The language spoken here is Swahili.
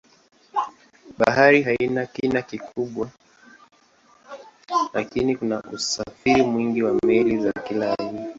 Bahari haina kina kubwa lakini kuna usafiri mwingi wa meli za kila aina.